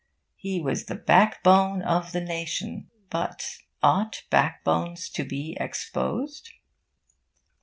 He was the backbone of the nation. But ought backbones to be exposed?